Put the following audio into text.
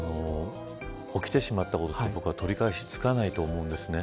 起きてしまったことは取り返しつかないと思うんですね。